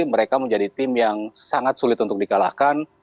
mereka menjadi tim yang sangat sulit untuk dikalahkan